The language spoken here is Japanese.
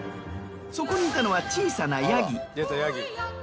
そこにいたのは小さなヤギ。